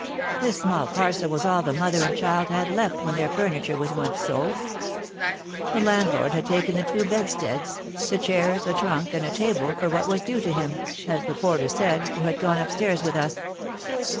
This small parcel was all the mother and child had left when their furniture was once sold. The landlord had taken the two bedsteads, the chairs, a trunk, and a table, for what was due to him, as the porter said, who had gone up stairs with us.